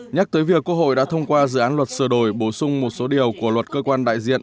nhắc tới việc quốc hội đã thông qua dự án luật sửa đổi bổ sung một số điều của luật cơ quan đại diện